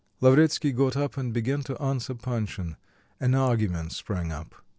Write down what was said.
Lavretsky got up and began to answer Panshin; an argument sprang up.